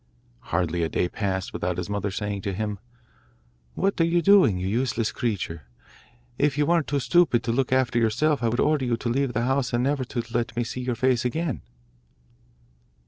Hardly a day passed without his mother saying to him, 'What are you doing, you useless creature? If you weren't too stupid to look after yourself, I would order you to leave the house and never to let me see your face again.